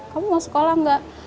kamu mau sekolah nggak